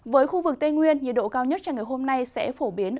với khu vực tây nguyên nhiệt độ cao nhất cho ngày hôm nay sẽ phổ biến